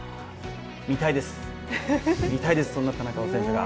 見たいです、見たいです、そんな田中碧選手を。